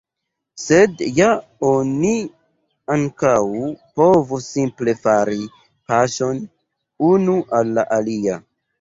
Sed ja oni ankaŭ povus simple fari paŝon unu al la alia.